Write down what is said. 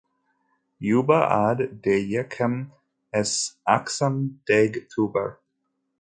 Yuba ad d-yekcem s axxam deg Tubeṛ.